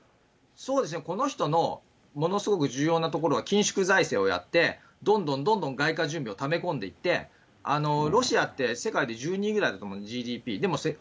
この人のものすごく重要なところは、緊縮財政をやって、どんどんどんどん外貨準備をため込んでいって、ロシアって、世界で１２位ぐらいだと思うんです。